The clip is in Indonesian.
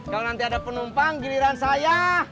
kalau nanti ada penumpang giliran saya